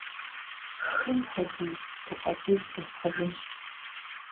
«Хым хуэдиз» гукъэкӀыж здэсхьыжынщ.